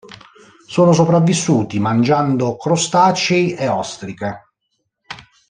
Sono sopravvissuti mangiando crostacei e ostriche.